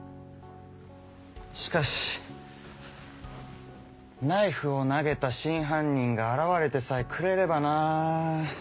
しかしナイフを投げた真犯人が現れてさえくれればな。